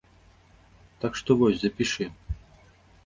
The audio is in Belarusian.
Так што, вось запішы.